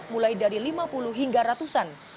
mulai dari lima puluh hingga ratusan